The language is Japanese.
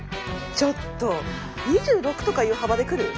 ちょっと２６とかいう幅で来る？